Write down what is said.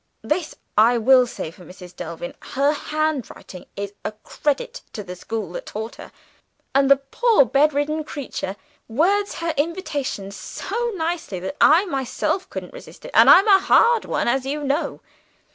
This I will say for Mrs. Delvin: her handwriting is a credit to the school that taught her; and the poor bedridden creature words her invitation so nicely, that I myself couldn't have resisted it and I'm a hard one, as you know.